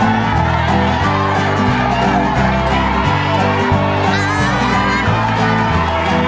อาชญาปรากรุษกำลังกลับดันด้วยกิน